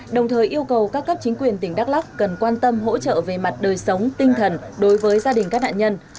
đồng thời yêu cầu các cấp chính quyền tỉnh đắk lắc cần quan tâm hỗ trợ về mặt đời sống tinh thần đối với gia đình các nạn nhân